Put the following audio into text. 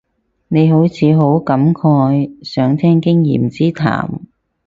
你好似好感慨，想聽經驗之談